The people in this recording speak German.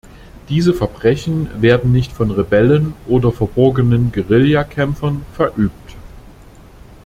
Diese Verbrechen werden nicht von Rebellen oder verborgenen Guerilla-Kämpfern verübt.